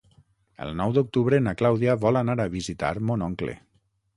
El nou d'octubre na Clàudia vol anar a visitar mon oncle.